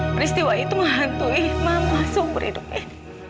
peristiwa itu menghantui mama seumur hidup ini